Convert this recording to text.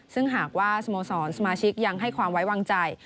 ซึ่งหากว่าสโมสรสมาชิกยังให้ความไว้วางใจ